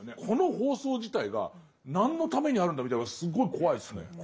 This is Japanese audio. この放送自体が何のためにあるんだみたいなのがすごい怖いですね。